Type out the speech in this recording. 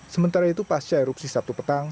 sementara itu pasca erupsi sabtu petang